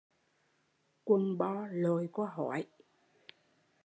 Quần bo lội qua hói